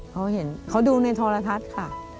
เขาดูโนยทรทัศน์ค่ะ